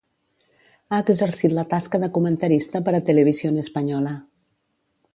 Ha exercit la tasca de comentarista per a Televisión Española.